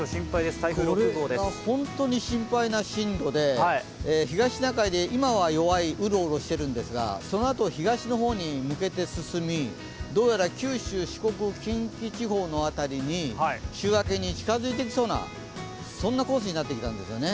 本当に心配な進路で東シナ海で今は弱い、うろうろしているんですがそのあと東の方に抜けて進み、九州・四国近畿地方辺りに週明けに近づいてきそうなそんなコースになってきたんですよね。